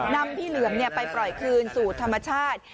นำพี่เหลือมไปปล่อยคืนสู่ธรรมชาติ